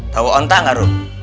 tau ontak gak rum